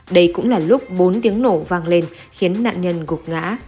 đây cũng là lúc bốn tiếng nổ vang lên khiến nạn nhân gục ngã